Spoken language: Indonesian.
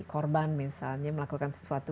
korban misalnya melakukan sesuatu